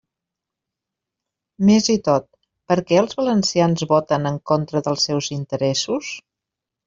Més i tot, ¿per què els valencians voten en contra dels seus interessos?